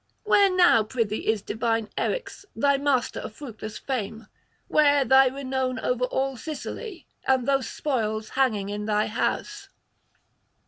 Where now prithee is divine Eryx, thy master of fruitless fame? where thy renown over all Sicily, and those spoils hanging in thine house?'